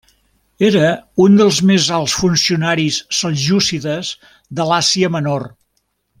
Era un dels més alts funcionaris seljúcides de l'Àsia Menor.